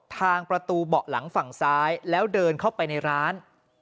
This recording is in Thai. ทางประตูเบาะหลังฝั่งซ้ายแล้วเดินเข้าไปในร้าน